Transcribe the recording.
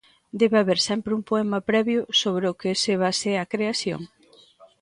Debe haber sempre un poema previo sobre o que se basee a creación?